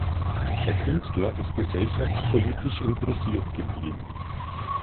Der Künstler ist gesellschaftspolitisch interessiert geblieben.